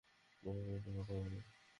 তোমাকে একটা কথা বলি।